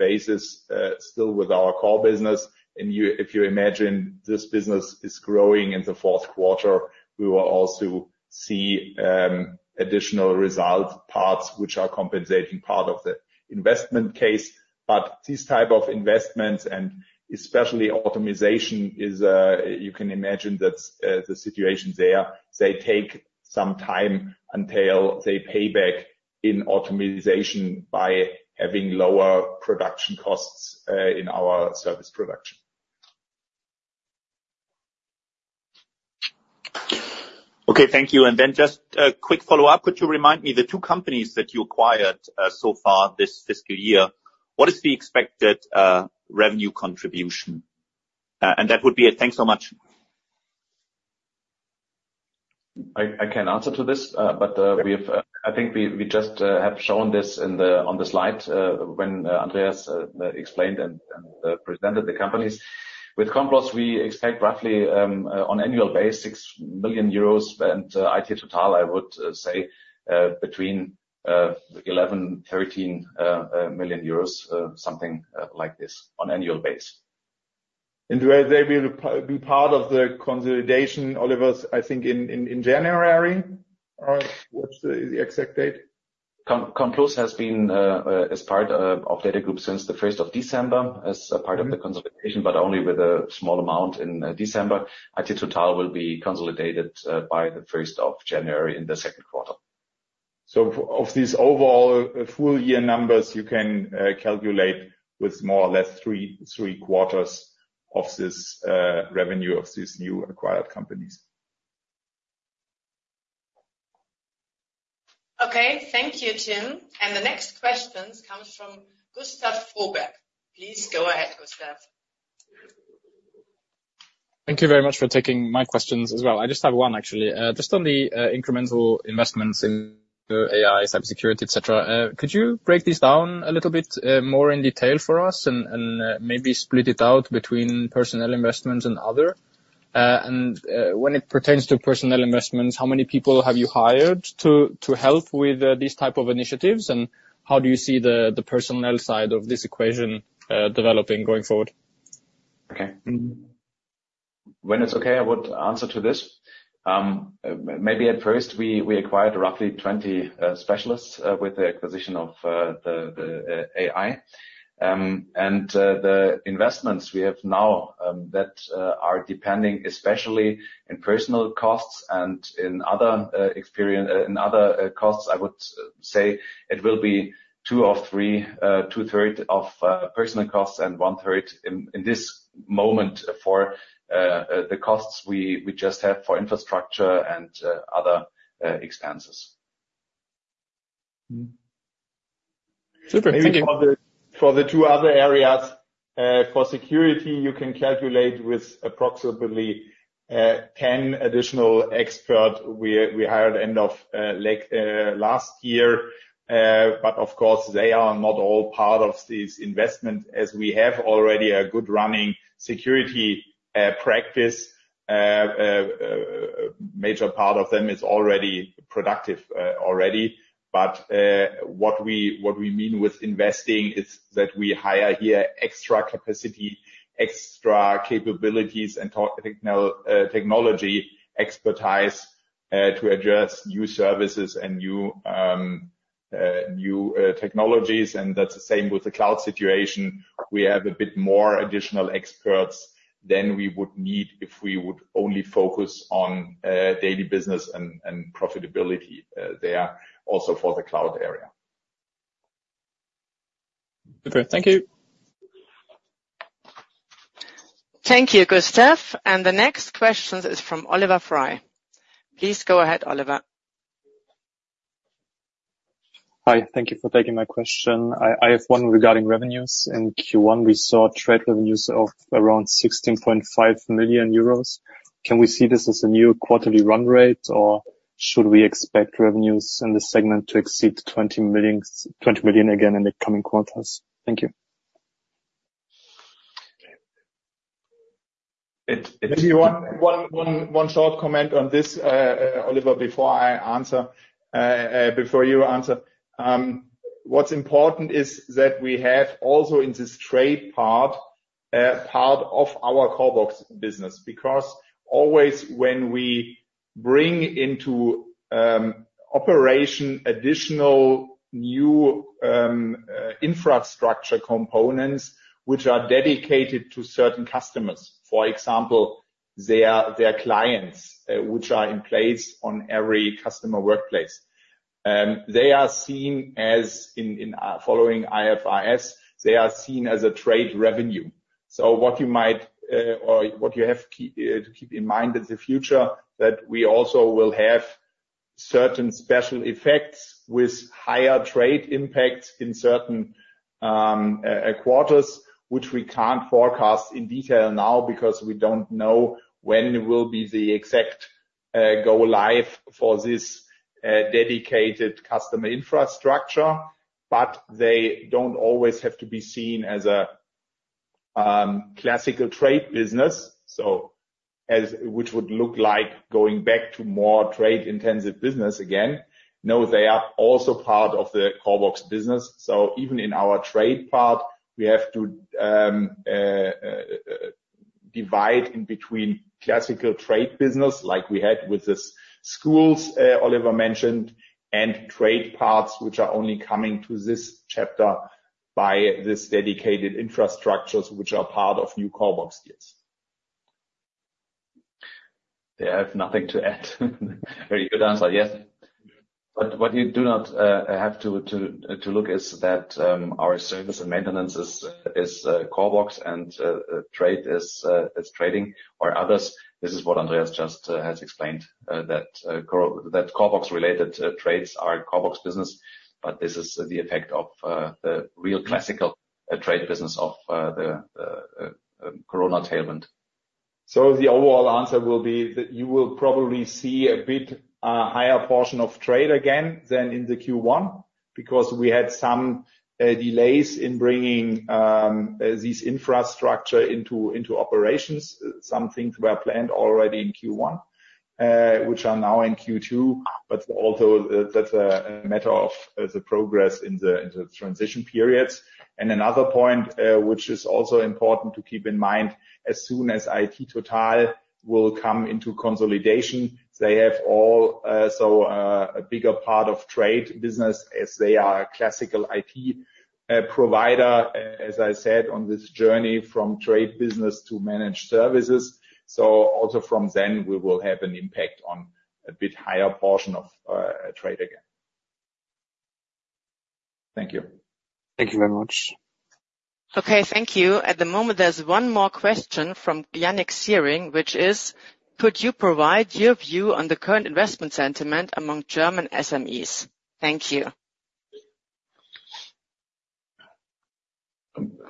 [SPEAKER 2] basis, still with our core business. And if you imagine this business is growing in the fourth quarter, we will also see additional result parts, which are compensating part of the investment case. But these type of investments and especially automation is. You can imagine that's the situation there. They take some time until they pay back in automation by having lower production costs in our service production.
[SPEAKER 4] Okay. Thank you. And then just a quick follow-up. Could you remind me the two companies that you acquired so far this fiscal year? What is the expected revenue contribution? And that would be, thanks so much.
[SPEAKER 3] I can answer to this, but I think we just have shown this on the slide when Andreas explained and presented the companies. With CONPLUS, we expect roughly on an annual basis 6 million euros and iT Total, I would say, between 11 million-13 million euros, something like this on an annual basis.
[SPEAKER 2] And will they be part of the consolidation, Oliver? I think in January. Or what's the exact date?
[SPEAKER 3] CONPLUS has been as part of DATAGROUP since the December 1st as a part of the consolidation, but only with a small amount in December. iT Total will be consolidated by the January 1st in the second quarter. So of these overall full year numbers, you can calculate with more or less three quarters of this revenue of these new acquired companies.
[SPEAKER 1] Okay. Thank you, Tim. And the next questions comes from Gustav Froberg. Please go ahead, Gustav.
[SPEAKER 5] Thank you very much for taking my questions as well. I just have one, actually. Just on the incremental investments in the AI, cybersecurity, etc., could you break these down a little bit more in detail for us and maybe split it out between personnel investments and other? And when it pertains to personnel investments, how many people have you hired to help with these type of initiatives? And how do you see the personnel side of this equation developing going forward?
[SPEAKER 3] Okay. I would answer to this. Maybe at first, we acquired roughly 20 specialists with the acquisition of the AI. And the investments we have now that are depending especially in personnel costs and in other expenses in other costs, I would say it will be two-thirds of personnel costs and one-third in this moment for the costs we just have for infrastructure and other expenses.
[SPEAKER 5] Super. Thank you.
[SPEAKER 2] Maybe for the two other areas, for security, you can calculate with approximately 10 additional experts we hired end of last year. But of course, they are not all part of these investments as we have already a good running security practice. Major part of them is already productive. But what we mean with investing is that we hire here extra capacity, extra capabilities, and technical technology expertise, to address new services and new technologies. And that's the same with the cloud situation. We have a bit more additional experts than we would need if we would only focus on daily business and profitability, there also for the cloud area.
[SPEAKER 5] Super. Thank you.
[SPEAKER 1] Thank you, Gustav. And the next question is from Oliver Frey. Please go ahead, Oliver.
[SPEAKER 6] Hi. Thank you for taking my question. I have one regarding revenues. In Q1, we saw trade revenues of around 16.5 million euros. Can we see this as a new quarterly run rate or should we expect revenues in this segment to exceed 20 million again in the coming quarters? Thank you.
[SPEAKER 2] It may be one short comment on this, Oliver, before I answer, before you answer. What's important is that we have also in this trade part part of our CORBOX business because always when we bring into operation additional new infrastructure components, which are dedicated to certain customers, for example, their clients, which are in place on every customer workplace, they are seen as in following IFRS, they are seen as a trade revenue. So what you might, or what you have to keep in mind in the future that we also will have certain special effects with higher trade impact in certain quarters, which we can't forecast in detail now because we don't know when it will be the exact go-live for this dedicated customer infrastructure. But they don't always have to be seen as a classical trade business. So as which would look like going back to more trade-intensive business again. No, they are also part of the CORBOX business. So even in our trade part, we have to divide in between classical trade business like we had with this schools Oliver mentioned, and trade parts, which are only coming to this chapter by this dedicated infrastructures, which are part of new CORBOX deals.
[SPEAKER 3] They have nothing to add. Very good answer. Yes. But what you do not have to look is that our service and maintenance is CORBOX and trade is trading or others. This is what Andreas just has explained, that CORBOX-related trades are CORBOX business. But this is the effect of the real classical trade business of the corona tailwind.
[SPEAKER 2] So the overall answer will be that you will probably see a bit higher portion of trade again than in the Q1 because we had some delays in bringing these infrastructure into operations. Some things were planned already in Q1, which are now in Q2, but also that's a matter of the progress in the transition periods. Another point, which is also important to keep in mind, as soon as iT Total will come into consolidation, they have all, so, a bigger part of trade business as they are a classical IT provider, as I said, on this journey from trade business to managed services. So also from then, we will have an impact on a bit higher portion of trade again. Thank you.
[SPEAKER 6] Thank you very much.
[SPEAKER 1] Okay. Thank you. At the moment, there's one more question from Yannik Siering, which is, could you provide your view on the current investment sentiment among German SMEs? Thank you.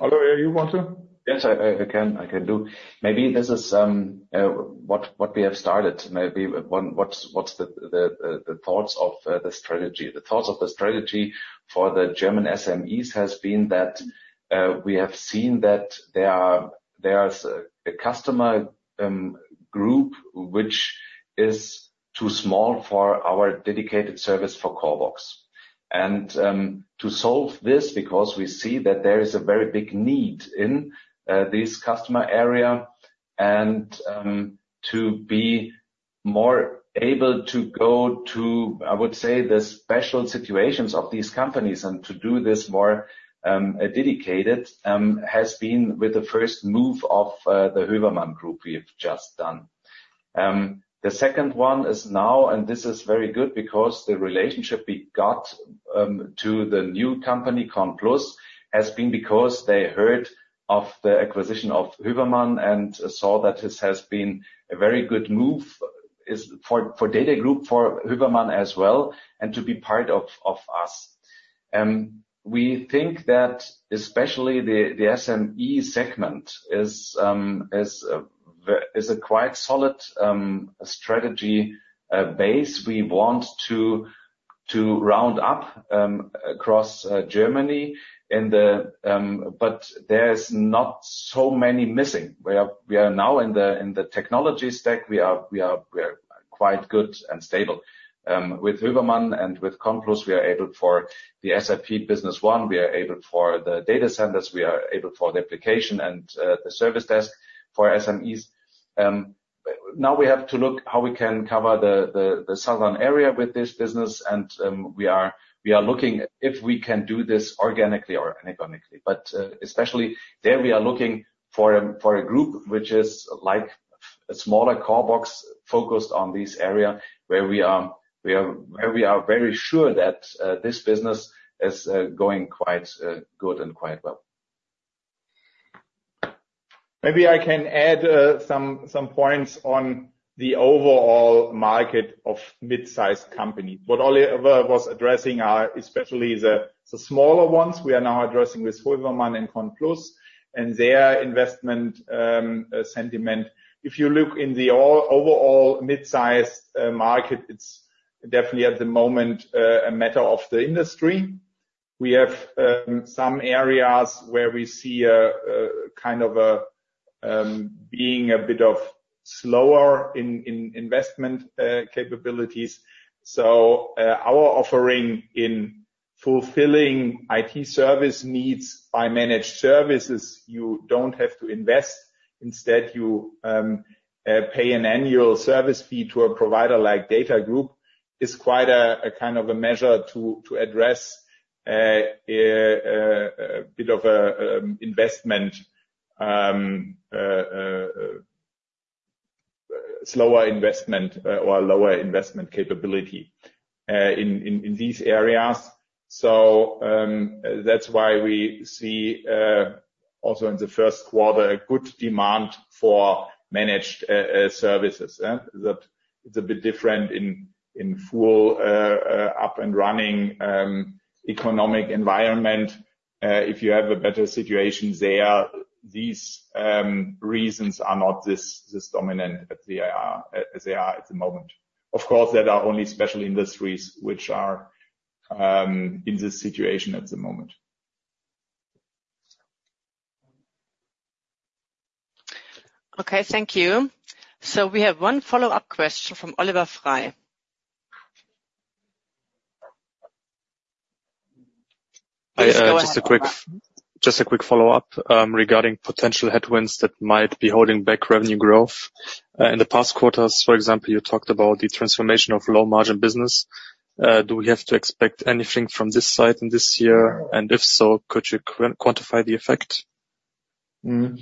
[SPEAKER 2] Oliver, you want to?
[SPEAKER 3] Yes. I can. I can do. Maybe this is what we have started. Maybe what's the thoughts of the strategy. The thoughts of the strategy for the German SMEs has been that, we have seen that there is a customer group, which is too small for our dedicated service for CORBOX. And, to solve this because we see that there is a very big need in this customer area and, to be more able to go to, I would say, the special situations of these companies and to do this more dedicated, has been with the first move of the Hövermann Group we have just done. The second one is now, and this is very good because the relationship we got to the new company CONPLUS has been because they heard of the acquisition of Hövermann and saw that this has been a very good move for DATAGROUP for Hövermann as well and to be part of us. We think that especially the SME segment is a quite solid strategy base we want to round up across Germany, but there's not so many missing. We are now in the technology stack. We are quite good and stable. With Hövermann and with CONPLUS, we are able for the SAP Business One. We are able for the data centers. We are able for the application and the service desk for SMEs. Now we have to look how we can cover the southern area with this business. We are looking if we can do this organically or inorganically. Especially there, we are looking for a group, which is like a smaller CORBOX focused on this area where we are very sure that this business is going quite good and quite well.
[SPEAKER 2] Maybe I can add some points on the overall market of mid-sized companies. What Oliver was addressing are especially the smaller ones we are now addressing with Hövermann and CONPLUS and their investment sentiment. If you look in the overall mid-sized market, it's definitely at the moment a matter of the industry. We have some areas where we see a kind of being a bit slower in investment capabilities. So, our offering in fulfilling IT service needs by managed services, you don't have to invest. Instead, you pay an annual service fee to a provider like DATAGROUP. It is quite a kind of a measure to address a bit of a slower investment or lower investment capability in these areas. So, that's why we see also in the first quarter a good demand for managed services. That it's a bit different in a full up and running economic environment. If you have a better situation there, these reasons are not this dominant at the as they are at the moment. Of course, there are only special industries which are in this situation at the moment.
[SPEAKER 1] Okay. Thank you. So we have one follow-up question from Oliver Frey. Please go ahead.
[SPEAKER 6] Just a quick follow-up regarding potential headwinds that might be holding back revenue growth. In the past quarters, for example, you talked about the transformation of low-margin business. Do we have to expect anything from this side in this year? And if so, could you quantify the effect?
[SPEAKER 2] In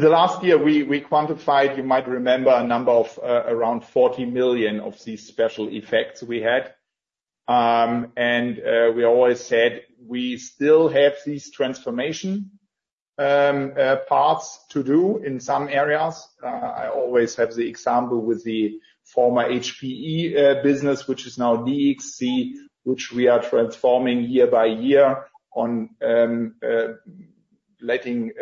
[SPEAKER 2] the last year, we quantified, you might remember, a number of around 40 million of these special effects we had. We always said we still have these transformation parts to do in some areas. I always have the example with the former HPE business, which is now DXC, which we are transforming year by year on letting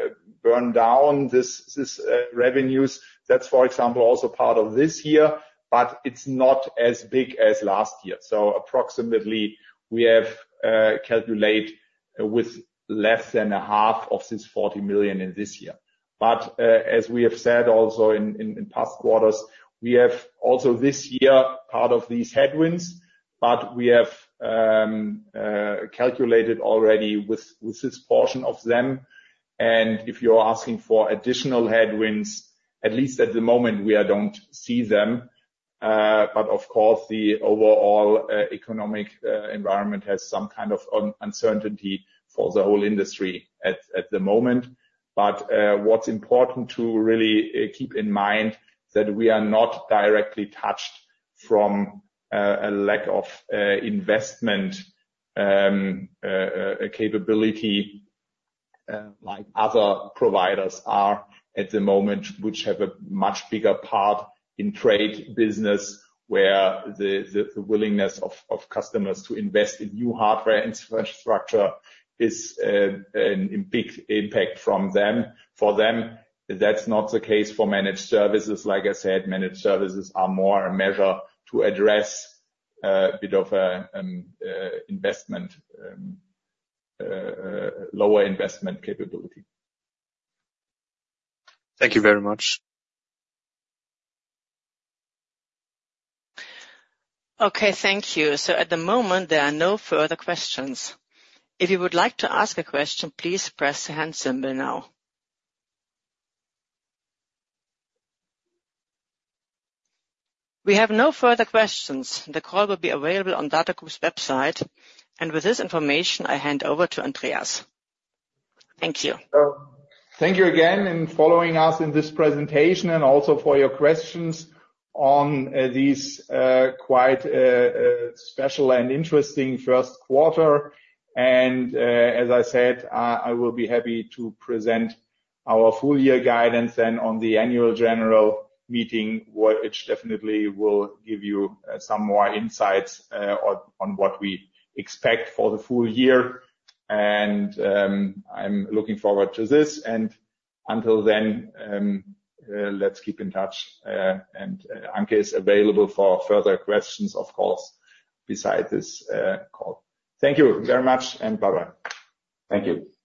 [SPEAKER 2] burn down these revenues. That's, for example, also part of this year, but it's not as big as last year. So approximately, we have calculated with less than half of this 40 million in this year. But, as we have said also in past quarters, we have also this year part of these headwinds, but we have calculated already with this portion of them. And if you're asking for additional headwinds, at least at the moment, we don't see them. But of course, the overall economic environment has some kind of uncertainty for the whole industry at the moment. But what's important to really keep in mind that we are not directly touched from a lack of investment capability, like other providers are at the moment, which have a much bigger part in trade business where the willingness of customers to invest in new hardware infrastructure is in big impact from them for them. That's not the case for managed services. Like I said, managed services are more a measure to address a bit of a lower investment capability.
[SPEAKER 6] Thank you very much.
[SPEAKER 1] Okay. Thank you. So at the moment, there are no further questions. If you would like to ask a question, please press the hand symbol now. We have no further questions. The call will be available on DATAGROUP's website. And with this information, I hand over to Andreas.
[SPEAKER 2] Thank you. Thank you again for following us in this presentation and also for your questions on this quite special and interesting first quarter. And, as I said, I will be happy to present our full-year guidance then on the annual general meeting, which definitely will give you some more insights on what we expect for the full year. And, I'm looking forward to this. Until then, let's keep in touch, and Anke is available for further questions, of course, besides this call. Thank you very much, and bye-bye.
[SPEAKER 3] Thank you.